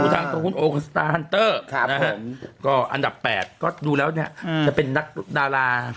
ทางตัวคุณโอของสตาร์ฮันเตอร์นะฮะก็อันดับ๘ก็ดูแล้วเนี่ยจะเป็นนักดารา